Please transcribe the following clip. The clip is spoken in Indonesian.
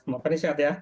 mbak fani sehat ya